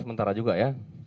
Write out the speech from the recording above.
sementara juga ya